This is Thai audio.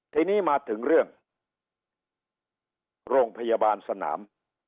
ทีนี้มาถึงเรื่องโรงพยาบาลสนาม